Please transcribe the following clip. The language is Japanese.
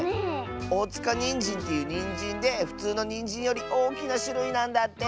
おおつかにんじんっていうにんじんでふつうのにんじんよりおおきなしゅるいなんだって！